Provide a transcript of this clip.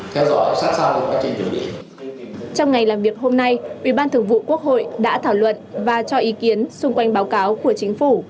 trong ngày làm việc hôm nay ủy ban thường vụ quốc hội đã thảo luận và cho ý kiến xung quanh báo cáo của chính phủ